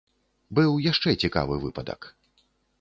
Быў яшчэ цікавы выпадак.